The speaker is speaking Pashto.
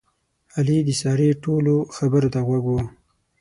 علي د سارې ټولو خبرو ته غوږ و.